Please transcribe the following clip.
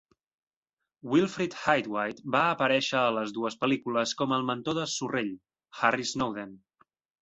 Wilfrid Hyde-White va aparèixer a les dues pel·lícules com el mentor de Sorrell, Harry Snowden.